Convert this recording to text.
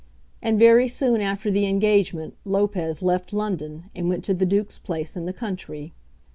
And very soon after the engagement Lopez left London and went to the Duke's place in the country.